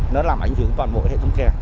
nó làm ảnh hưởng toàn bộ hệ thống kẻ